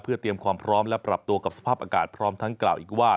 เตรียมความพร้อมและปรับตัวกับสภาพอากาศพร้อมทั้งกล่าวอีกว่า